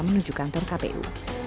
menuju kantor kpu